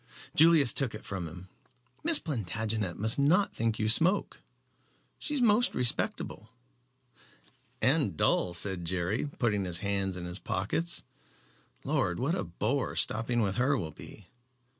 Julius took it from him. "Miss Plantagenet must not think you smoke, Jerry. She is most respectable." "And dull," said Jerry, putting his hands in his pockets. "Lord! what a bore stopping with her will be.